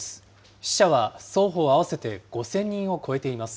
死者は双方合わせて５０００人を超えています。